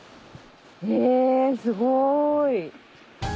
えすごい。